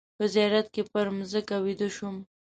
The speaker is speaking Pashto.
په زیارت کې پر مځکه ویده شوم.